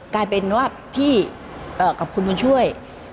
กลายเป็นว่าพี่กับคุณบุญช่วย